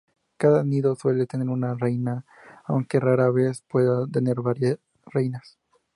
Cada nido suele tener una reina, aunque rara vez puede tener varias reinas.